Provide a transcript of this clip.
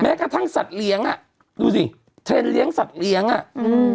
กระทั่งสัตว์เลี้ยงอ่ะดูสิเทรนด์เลี้ยงสัตว์เลี้ยงอ่ะอืม